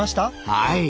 はい。